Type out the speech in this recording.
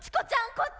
こっち！